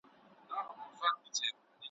کله له واورو او له یخنیو ,